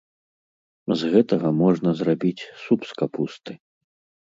З гэтага можна зрабіць суп з капусты.